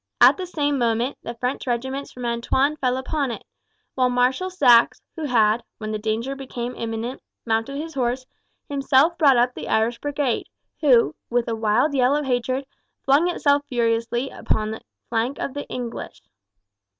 At the same moment the French regiments from Antoin fell upon it; while Marshal Saxe, who had, when the danger became imminent, mounted his horse, himself brought up the Irish Brigade, who, with a wild yell of hatred, flung itself furiously upon the flank of the English.